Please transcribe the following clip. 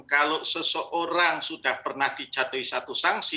kalau seseorang sudah pernah dijatuhi satu sanksi